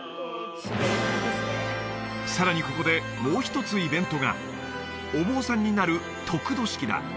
さらにここでもう一つイベントがお坊さんになる得度式だ